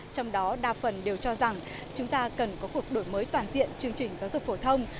trong đó đa phần đều cho rằng chúng ta cần có cuộc đổi mới toàn diện chương trình giáo dục phổ thông